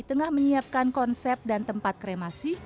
tengah menyiapkan konsep dan tempat kremasi